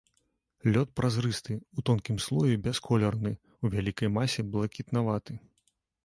Лёд празрысты, у тонкім слоі бясколерны, у вялікай масе блакітнаваты.